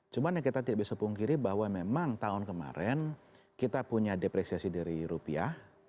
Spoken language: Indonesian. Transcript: cuma yang kita tidak bisa pungkiri bahwa memang tahun kemarin kita punya depresiasi dari rupiah